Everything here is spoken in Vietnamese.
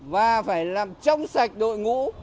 và phải làm chống sạch đội ngũ